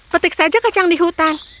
petik saja kacang di hutan